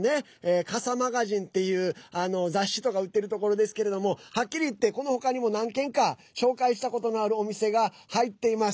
ＣＡＳＡＭＡＧＡＺＩＮＥＳっていう、雑誌とか売ってるところですけれどもはっきり言って、この他にも何軒か紹介したことのあるお店が入っています。